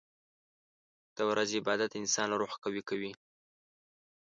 • د ورځې عبادت د انسان روح قوي کوي.